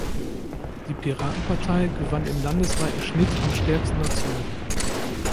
Die Piratenpartei gewann im landesweiten Schnitt am stärksten dazu.